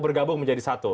bergabung menjadi satu